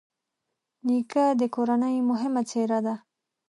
نیکه د کورنۍ مهمه څېره ده.